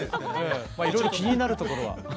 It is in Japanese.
いろいろ気になるところは。